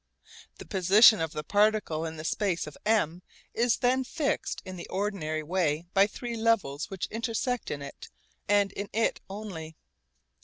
The position of the particle in the space of M is then fixed in the ordinary way by three levels which intersect in it and in it only.